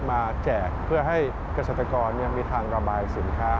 แจกเพื่อให้เกษตรกรมีทางระบายสินค้า